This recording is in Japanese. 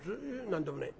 「何でもねえ。